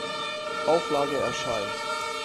Auflage erscheint.